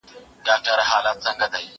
څو څو ځله کښته پورته وروسته وړاندي